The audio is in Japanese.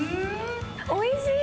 おいしい！